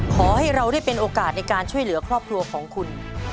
ขอให้เราได้เป็นโอกาสในการช่วยเหลือครอบครัวของคุณ